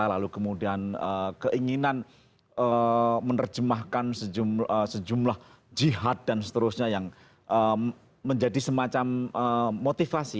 lalu kemudian keinginan menerjemahkan sejumlah jihad dan seterusnya yang menjadi semacam motivasi